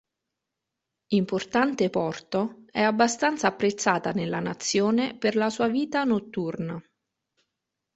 Importante porto, è abbastanza apprezzata nella nazione per la sua vita notturna.